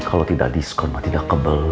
kalau tidak melihat saya tidak akan membeli